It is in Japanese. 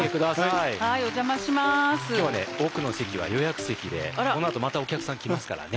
奥の席は予約席でこのあとまたお客さん来ますからね。